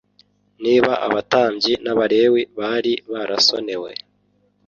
Niba abatambyi n'abalewi bari barasonewe